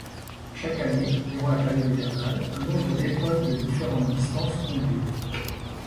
Chaque année durant la période hivernale, un nombre d'épreuves de différentes distances ont lieu.